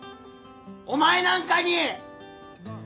お前なんかに！